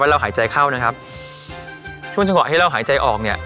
เราหายใจเข้านะครับช่วงจังหวะที่เราหายใจออกเนี่ย